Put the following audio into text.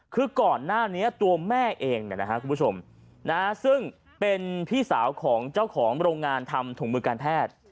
คือก่อนหน้านี้ตัวแม่เองคุณผู้ชมซึ่งเป็นพี่สาวของเจ้าของโรงงานทำถุงมือการแพทย์